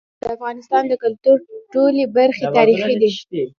د افغانستان د کلتور ټولي برخي تاریخي دي.